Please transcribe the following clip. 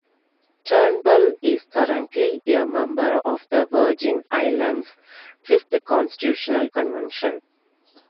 Turnbull is currently a member of the Virgin Islands Fifth Constitutional Convention.